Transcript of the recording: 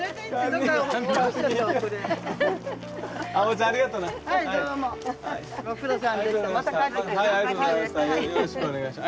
母のことよろしくお願いします。